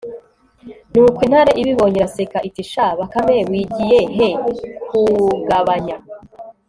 nuko intare ibibonye iraseka, iti sha bakame wigiye he kugabanya